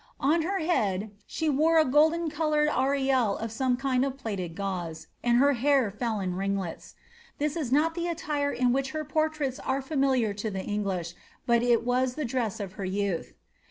On her head she wore a coloured aureole of some kind of plaited gauze, and her haii ringlets. This is not the attire in which her portraits are familia English, but it was the dress of her youth.